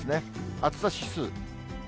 暑さ指数。